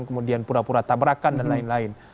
kemudian pura pura tabrakan dan lain lain